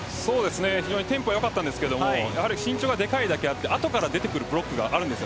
非常にテンポよかったんですけど身長がでかいだけあって後から出てくるブロックがあるんです。